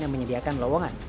yang menyediakan lowongan